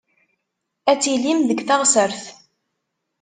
Ad tilim deg teɣsert.